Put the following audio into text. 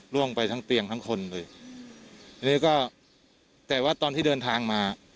ล่วงไปทั้งเตียงทั้งคนเลยทีนี้ก็แต่ว่าตอนที่เดินทางมา